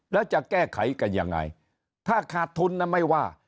แล้วจะแก้ไขกันยังไงถ้าขาดทุนไม่ว่า